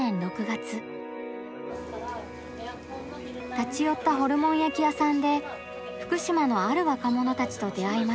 立ち寄ったホルモン焼き屋さんで福島のある若者たちと出会いました。